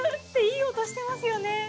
いい音してますよね。